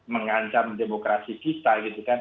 mengancam demokrasi kita gitu kan